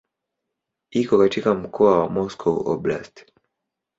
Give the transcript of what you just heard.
Iko katika mkoa wa Moscow Oblast.